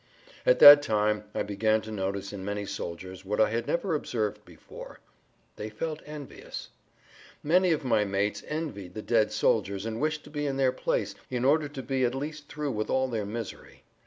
At that time I began to notice in many soldiers what I had never observed before—they felt envious. Many of my mates envied the dead soldiers and wished to be in their place in order to be at least through with all their misery.